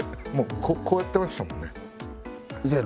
こうやってましたもんね。